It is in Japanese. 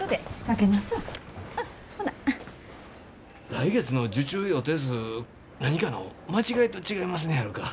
来月の受注予定数何かの間違いと違いますねやろか？